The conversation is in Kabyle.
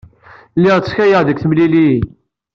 Lliɣ ttekkayeɣ deg temliliyin.